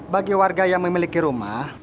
bagi warga yang memiliki rumah